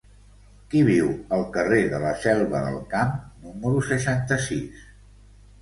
Qui viu al carrer de la Selva del Camp número seixanta-sis?